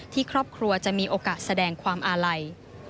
ครอบครัวจะมีโอกาสแสดงความอาลัย